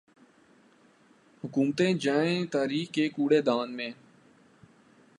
حکومتیں جائیں تاریخ کے کوڑے دان میں۔